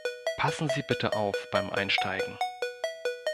Passen Sie bitte auf beim Einsteigen.